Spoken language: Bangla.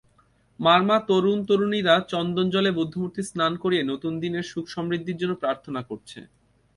মারমা তরুণ-তরুণীরা চন্দনজলে বুদ্ধমূর্তি স্নান করিয়ে নতুন দিনের সুখ-সমৃদ্ধির জন্য প্রার্থনা করেছে।